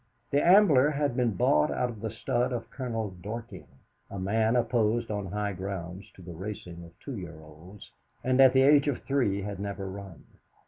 The Ambler had been bought out of the stud of Colonel Dorking, a man opposed on high grounds to the racing of two year olds, and at the age of three had never run.